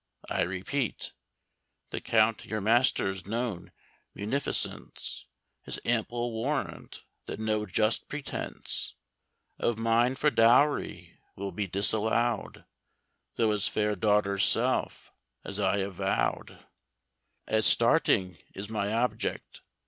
I repeat, The Count your master's known munificence Is ample warrant that no just pretence 50 Of mine for dowry will be disallowed; Though his fair daughter's self, as I avowed At starting, is my object.